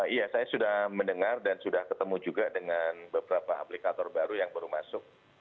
iya saya sudah mendengar dan sudah ketemu juga dengan beberapa aplikator baru yang baru masuk